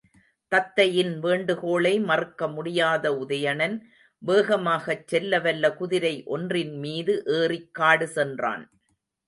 தத்தையின் வேண்டுகோளை மறுக்க முடியாத உதயணன், வேகமாகச் செல்லவல்ல குதிரை ஒன்றின்மீது ஏறிக் காடு சென்றான்.